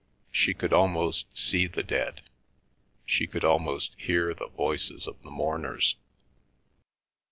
She could almost see the dead. She could almost hear the voices of the mourners.